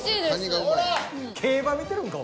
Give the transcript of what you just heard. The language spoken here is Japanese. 競馬見てるんか？